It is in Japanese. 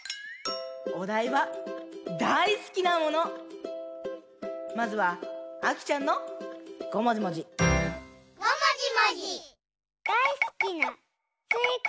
おだいは「だいすきなもの」。まずはあきちゃんのごもじもじ。